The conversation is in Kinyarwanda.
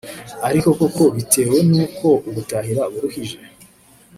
ariko koko bitewe n’uko ubutahira buruhije